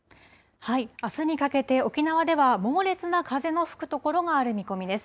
あすにかけて沖縄では猛烈な風の吹く所がある見込みです。